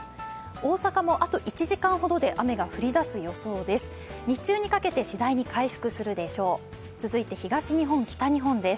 大阪もあと１時間ほどで雨が降り出す予想です。